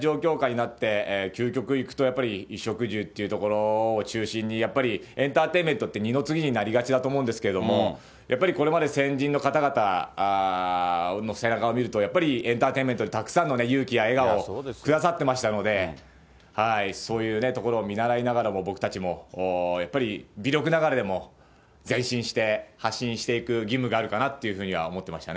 やっぱり本当にこういう大変な状況下になって、究極いくと、衣食住っていうところを中心に、やっぱりエンターテインメントって二の次になりがちだと思うんですけど、やっぱりこれまで先人の方々の背中を見ると、やっぱりエンターテインメントにたくさん勇気や笑顔をくださってましたので、そういうところを見習いながらも、僕たちもやっぱり微力ながらでも前進して、発信していく義務があるかなというふうには思ってましたね。